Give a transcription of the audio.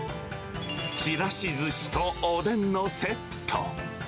ちらしずしとおでんのセット。